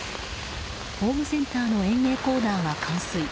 ホームセンターの園芸コーナーが冠水。